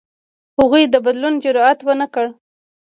هغوی د بدلون جرئت ونه کړ.